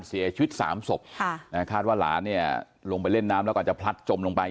เสียชีวิตสามศพค่ะนะฮะคาดว่าหลานเนี่ยลงไปเล่นน้ำแล้วก็อาจจะพลัดจมลงไป